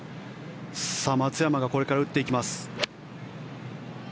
松山がこれから打っていきます。